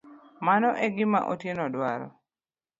Mano e gima Otieno dwaro.